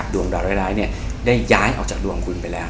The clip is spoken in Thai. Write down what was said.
ดวงดาวร้ายได้ย้ายออกจากดวงคุณไปแล้ว